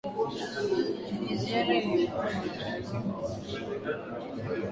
Ni ziara iliyokuwa na mafanikio makubwa Kwa